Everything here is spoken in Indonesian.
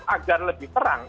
agar lebih terang